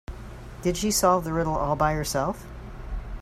Did she solve the riddle all by herself?